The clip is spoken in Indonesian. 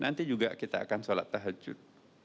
nanti juga kita akan sholat tahajud